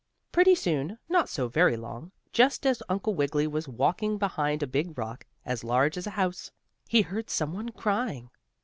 Pretty soon, not so very long, just as Uncle Wiggily was walking behind a big rock, as large as a house, he heard some one crying.